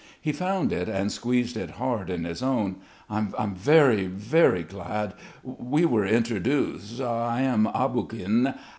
He found it and squeezed it hard in his own. "I'm very ... very glad! We were introduced ... I am Aboguin